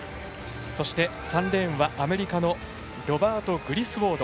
そして、３レーンはアメリカのロバート・グリスウォード。